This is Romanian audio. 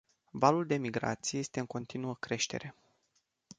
Valul de migrație este în continuă creștere.